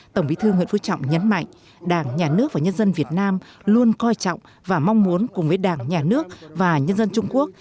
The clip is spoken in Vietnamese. tổng bí thư nguyễn phú trọng nhấn mạnh đảng nhà nước và nhân dân việt nam luôn coi trọng và mong muốn cùng với đảng nhà nước và nhân dân trung quốc